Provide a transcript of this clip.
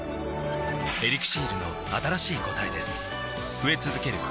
「エリクシール」の新しい答えです